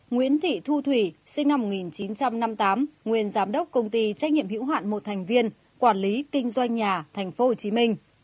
nguyễn thị thu thủy sinh năm một nghìn chín trăm năm mươi tám nguyên giám đốc công ty trách nhiệm hữu hạn một thành viên quản lý kinh doanh nhà tp hcm